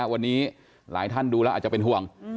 วันนี้หลายท่านดูแล้วอาจจะเป็นห่วง